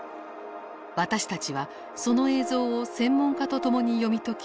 私たちはその映像を専門家と共に読み解き